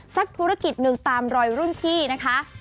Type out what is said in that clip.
ธุรกิจหนึ่งตามรอยรุ่นพี่นะคะ